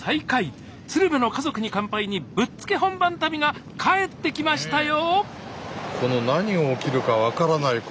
「鶴瓶の家族に乾杯」にぶっつけ本番旅が帰ってきましたよ！